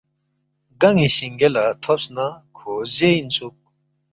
گن٘ی سِنگے لہ تھوبس نہ کھو زے اِنسُوک